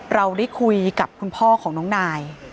เราได้คุยกับคุณพ่อของน้องนาย